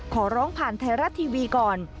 ขอร้องผ่านไทยรัฐทีวีก่อน